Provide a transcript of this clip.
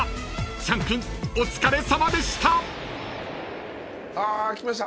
［チャン君お疲れさまでした］あ来ました。